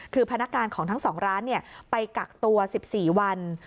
คือพนักงานของทั้ง๒ร้านไปกักตัว๑๔วัน